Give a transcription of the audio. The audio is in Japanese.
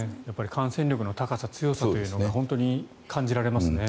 感染力の高さ、強さというのが本当に感じられますね。